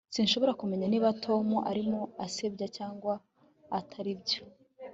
Sinshobora kumenya niba Tom arimo asebanya cyangwa ataribyo